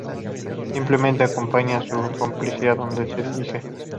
Simplemente acompaña a su cómplice a donde se dirige.